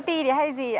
tnt hay gì ạ